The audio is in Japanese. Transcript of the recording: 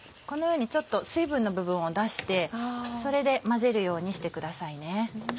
このようにちょっと水分の部分を出してそれで混ぜるようにしてくださいね。